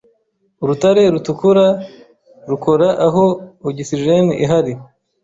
Urutare rutukura rukora aho ogisijeni ihari